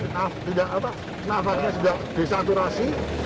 tidak apa nafasnya sudah desaturasi